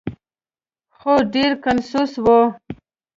خو ډیر کنجوس و.